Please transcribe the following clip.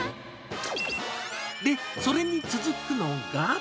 で、それに続くのが。